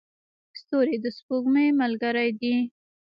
ستوري د سپوږمۍ ملګري دي.